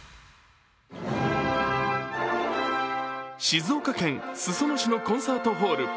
静岡県裾野市のコンサートホール。